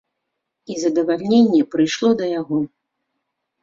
І задаваленне прыйшло да яго.